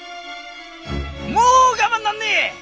もう我慢なんねえ！